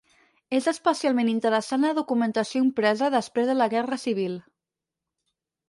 És especialment interessant la documentació impresa després de la Guerra Civil.